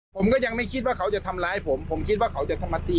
ผมก็ยังไม่คิดว่าเขาจะทำร้ายผมผมคิดว่าเขาจะเข้ามาตี